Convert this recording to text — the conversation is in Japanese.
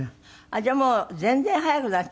「じゃあもう全然早くなっちゃったのね」